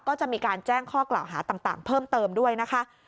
ก็จะมีการแจ้งข้อกล่าวหาต่างเพิ่มเติมด้วยนะคะ